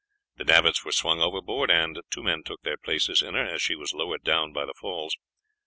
The davits were swung overboard, and two men took their places in her as she was lowered down by the falls.